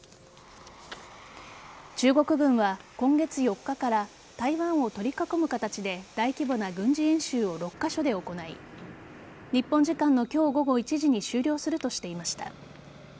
中国軍は今月４日から台湾を取り囲む形で大規模な軍事演習を６カ所で行い日本時間の今日午後１時に終了するとしていました。